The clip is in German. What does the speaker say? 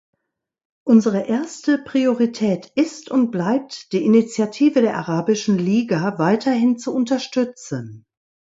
Unsere erste Priorität ist und bleibt, die Initiative der Arabischen Liga weiterhin zu unterstützen.